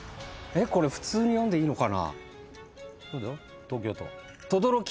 これ普通に読んでいいのかな？